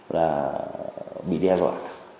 là bị đe dọa